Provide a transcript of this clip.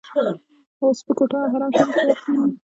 اوس په کوټه او حرم شریف کې وخت تیروو.